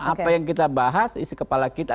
apa yang kita bahas isi kepala kita